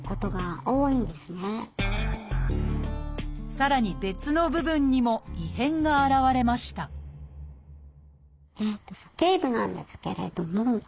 さらに別の部分にも異変が現れました鼠径部なんですけれども。